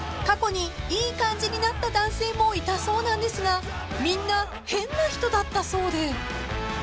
過去にいい感じになった男性もいたそうなんですがみんな変な人だったそうで］